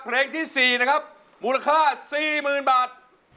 เพลงที่สี่นะครับมูลค่าสี่หมื่นบาท